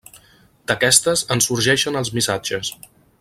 D’aquestes en sorgeixen els missatges.